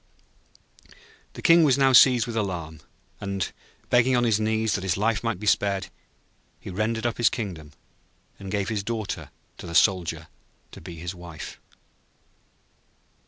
The King was now seized with alarm, and, begging on his knees that his life might be spared, he rendered up his kingdom and gave his Daughter to the Soldier to be his wife.